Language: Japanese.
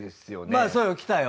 まあそうよ。